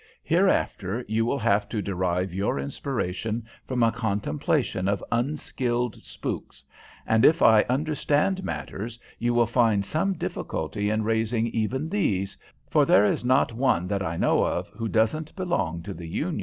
Hereafter you will have to derive your inspiration from a contemplation of unskilled spooks, and, if I understand matters, you will find some difficulty in raising even these, for there is not one that I know of who doesn't belong to the union."